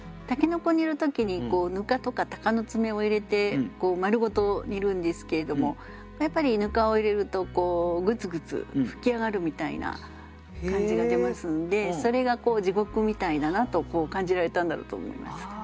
筍煮る時に糠とかたかの爪を入れて丸ごと煮るんですけれどもやっぱり糠を入れるとグツグツ噴き上がるみたいな感じが出ますんでそれがこう地獄みたいだなと感じられたんだろうと思います。